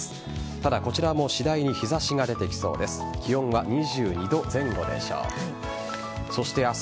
ただ、こちらも次第に日差しが出てきそうです。